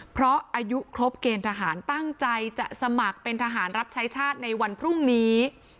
เพราะอายุครบเกณฑ์ทหารตั้งใจจะสมัครเป็นทหารรับใช้ชาติในวันพรุ่งนี้